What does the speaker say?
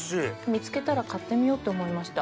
見つけたら買ってみようって思いました。